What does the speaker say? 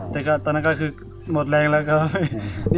แต่ตอนนั้นมันคือหมดเองแล้ว